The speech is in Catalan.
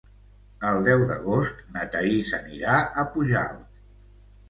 El deu d'agost na Thaís anirà a Pujalt.